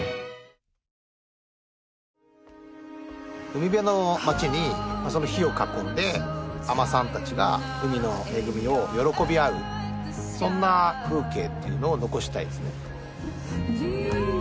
海辺の町に火を囲んで海女さんたちが海の恵みを喜び合うそんな風景っていうのを残したいですね。